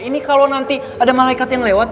ini kalau nanti ada malaikat yang lewat